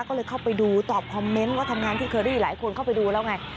ก็เลยเข้าไปดูตอบคอมเมนต์ว่าทำงานที่เคอรี่หลายคนเข้าไปดูแล้วไง